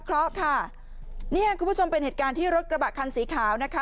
เคราะห์ค่ะเนี่ยคุณผู้ชมเป็นเหตุการที่รถกระบะคันสีขาวนะคะ